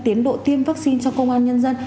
tiến độ tiêm vắc xin cho công an nhân dân